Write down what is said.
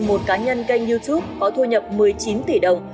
một cá nhân kênh youtube có thu nhập một mươi chín tỷ đồng